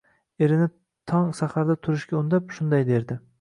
Erini tong saharda turishga undab, shunday derdi